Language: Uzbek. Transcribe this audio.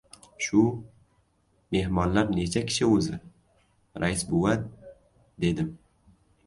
— Shu... mehmonlar necha kishi o‘zi, rais bova? — dedim.